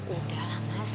udah lah mas